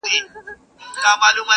هغه سنګین، هغه سرکښه د سیالیو وطن،